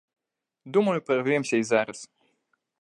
Думаю, прарвемся і зараз.